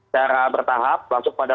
secara bertahap masuk pada